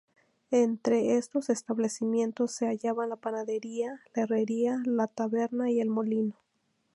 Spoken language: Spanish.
Entre estos establecimientos se hallaban la panadería, la herrería, la taberna y el molino.